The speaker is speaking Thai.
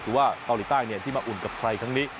ว่าเกาหลีใต้ที่มาอุ่นกับใครครั้งนี้